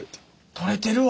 取れてるわ！